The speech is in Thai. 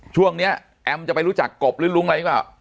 ช่วงนี้แอมจะไปรู้จักกบหรือรุ้งอะไรดีกว่า